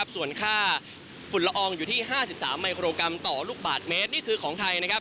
ส่วนค่าฝุ่นละอองอยู่ที่๕๓มิโครกรัมต่อลูกบาทเมตรนี่คือของไทยนะครับ